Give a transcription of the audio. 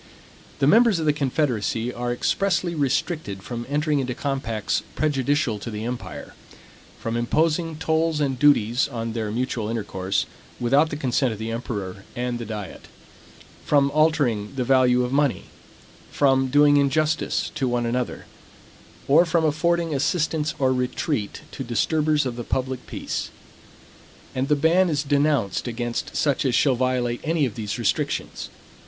The members of the confederacy are expressly restricted from entering into compacts prejudicial to the empire; from imposing tolls and duties on their mutual intercourse, without the consent of the emperor and diet; from altering the value of money; from doing injustice to one another; or from affording assistance or retreat to disturbers of the public peace. And the ban is denounced against such as shall violate any of these restrictions.